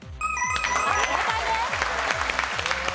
正解です。